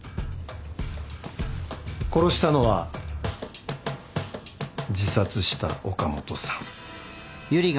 殺したのは自殺した岡本さん。